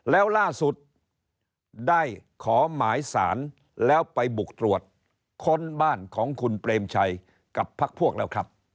แล้วล่าสุดได้ขอหมายสารแล้วไปบุกตรวจค้นบ้านของคุณเปรมชัยกับพักพวกแล้วครับ